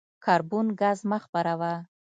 کاربن ګاز مه خپروه.